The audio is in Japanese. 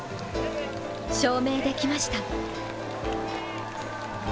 証明できました。